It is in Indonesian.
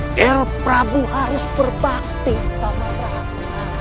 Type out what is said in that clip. nger prabu harus berbakti sama rakyat